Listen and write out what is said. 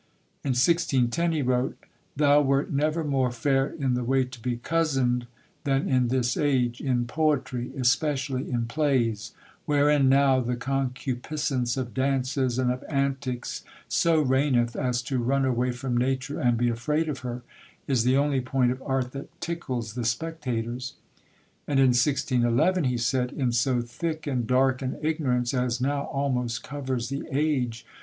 In 1610 he wrote, "Thou wert never more fair in the way to be cozened, than in this age, in poetry, especially in plays; wherein, now the concupiscence of dances and of antics so reigneth, as to run away from nature and be afraid of her, is the only point of art that tickles the spectators." And in 1611 he said, "In so thick and dark an ignorance as now almost covers the age